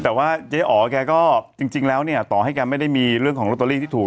แต่ว่าเจ๊อ๋อแกก็จริงแล้วเนี่ยต่อให้แกไม่ได้มีเรื่องของลอตเตอรี่ที่ถูก